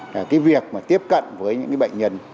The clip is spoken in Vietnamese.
cái việc mà tiếp cận với những bệnh nhân